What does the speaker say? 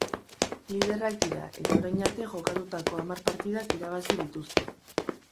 Liderrak dira eta orain arte jokatutako hamar partidak irabazi dituzte.